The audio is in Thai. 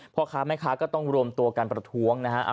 พ่อค้าแม่ค้าก็ต้องรวมตัวกันประท้วงนะฮะ